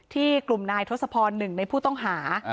กลุ่มนายทศพร๑ในผู้ต้องหา